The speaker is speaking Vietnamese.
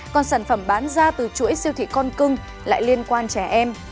còn sản phẩm bán ra từ chuỗi siêu thị con cưng lại liên quan trẻ em